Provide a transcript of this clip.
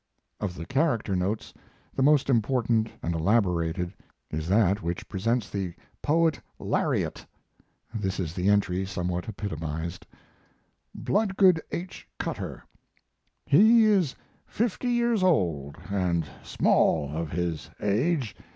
Of the "character" notes, the most important and elaborated is that which presents the "Poet Lariat." This is the entry, somewhat epitomized: BLOODGOOD H. CUTTER He is fifty years old, and small of his age.